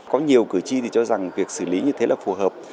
có nhiều cử tri thì cho rằng việc xử lý như thế là phù hợp